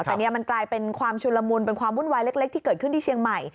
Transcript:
แต่นี่มันกลายเป็นความชุนละมุนเป็นความวุ่นวายเล็กที่เกิดขึ้นที่เชียงใหม่